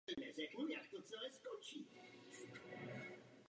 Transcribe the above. Podporujeme-li lidská práva, podporujeme bezpečnost.